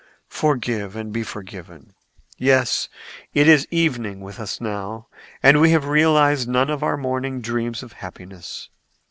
Forgive and be forgiven. Yes; it is evening with us now, and we have realized none of our morning dreams of happiness.